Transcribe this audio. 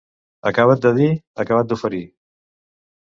Acabat de dir, acabat d'oferir.